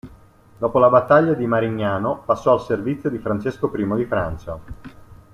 Dopo la battaglia di Marignano, passò al servizio di Francesco I di Francia.